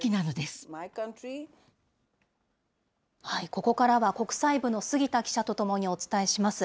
ここからは国際部の杉田記者と共にお伝えします。